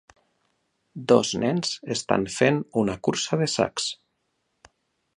Dos nens estan fent una cursa de sacs.